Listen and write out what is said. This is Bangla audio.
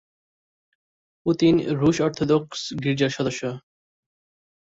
পুতিন রুশ অর্থোডক্স গির্জার সদস্য।